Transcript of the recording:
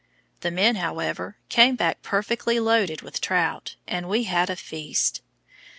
The men, however, came back perfectly loaded with trout, and we had a feast.